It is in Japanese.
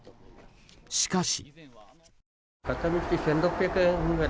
しかし。